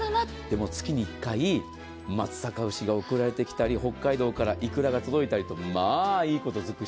でも月に１回松阪牛が送られてきたり北海道からいくらが届いたりとまあ、いいことづくし。